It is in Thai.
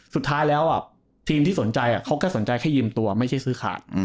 สุดท้ายแล้วทีมที่สนใจเขาก็สนใจแค่ยืมตัวไม่ใช่ซื้อขาด